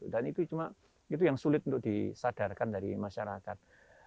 dan itu cuma itu yang sulit untuk disadarkan dari masyarakat